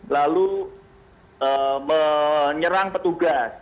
lalu menyerang petugas